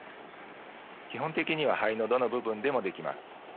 基本的には肺のどの部分でもできます。